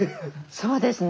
そうですね。